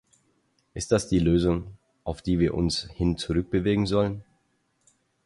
Ist das die Lösung, auf die wir uns hin zurückbewegen sollen?